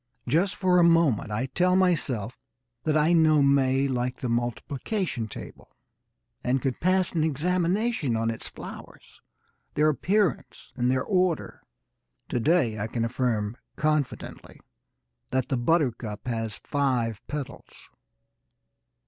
Just for the moment I tell myself that I know May like the multiplication table and could pass an examination on its flowers, their appearance and their order. To day I can affirm confidently that the buttercup has five petals.